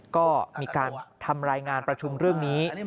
ก็มีการทำรายงานประชุมเรื่องนี้